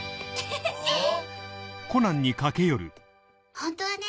ホントはね